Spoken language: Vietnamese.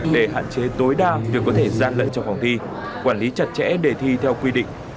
để hạn chế tối đa việc có thể gian lợi cho phòng thi quản lý chặt chẽ để thi theo quy định